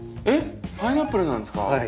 えっパイナップルなんですか？